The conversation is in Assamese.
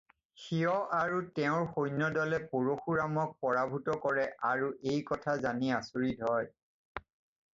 শিৱ আৰু তেওঁৰ সৈন্যদলে পৰশুৰামক পৰাভূত কৰে আৰু এই কথা জানি আচৰিত হয়।